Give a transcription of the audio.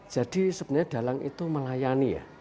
jadi sebenarnya dalang itu melayani ya